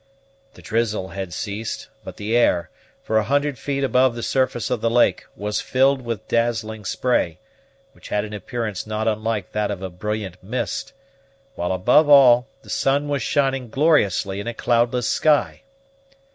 The drizzle had ceased; but the air, for a hundred feet above the surface of the lake, was filled with dazzling spray, which had an appearance not unlike that of a brilliant mist, while above all the sun was shining gloriously in a cloudless sky.